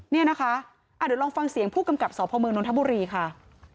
เดี๋ยวลองฟังเสียงผู้กำกับสพนธบุรีค่ะ